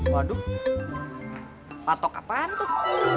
waduh patok apaan tuh